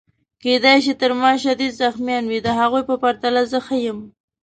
کیدای شي تر ما شدید زخمیان وي، د هغو په پرتله زه ښه یم.